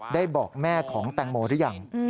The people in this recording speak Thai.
บอกแม่ของแตงโมหรือยัง